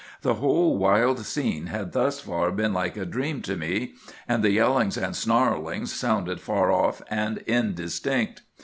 The whole wild scene had thus far been like a dream to me, and the yellings and snarlings sounded far off and indistinct.